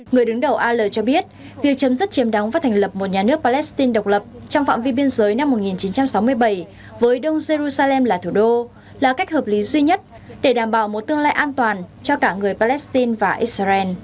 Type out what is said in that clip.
người đứng đầu al cho biết việc chấm dứt chiếm đóng và thành lập một nhà nước palestine độc lập trong phạm vi biên giới năm một nghìn chín trăm sáu mươi bảy với đông jerusalem là thủ đô là cách hợp lý duy nhất để đảm bảo một tương lai an toàn cho cả người palestine và israel